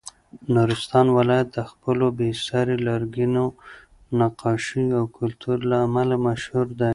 نورستان ولایت د خپلو بې ساري لرګینو نقاشیو او کلتور له امله مشهور دی.